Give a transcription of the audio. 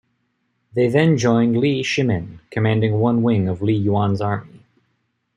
They then joined Li Shimin, commanding one wing of Li Yuan's army.